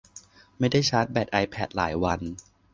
ไม่ได้ชาร์จแบตไอพอดหลายวัน